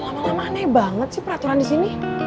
lama lama nih banget sih peraturan di sini